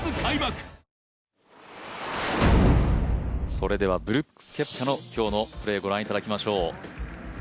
それではブルックス・ケプカの今日のプレー、ご覧いただきましょう。